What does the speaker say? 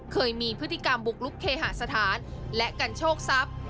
เคยมีพฤติกรรมบุกลุกเคหาสถานและกันโชคทรัพย์